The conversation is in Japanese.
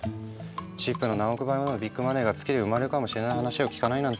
チップの何億倍のビッグマネーが月で生まれるかもしれない話を聞かないなんて